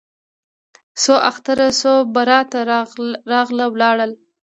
څو اختره څو براته راغله ولاړه